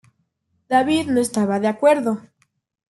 David no estaba de acuerdo.